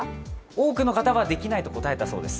多くの方はできないと答えたそうです。